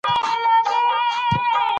مالیات په وخت ورکړئ.